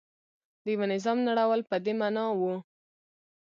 د یوه نظام نړول په دې معنا و.